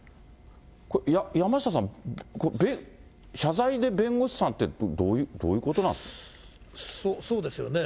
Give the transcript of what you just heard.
これ、山下さん、謝罪で弁護士さそうですよね。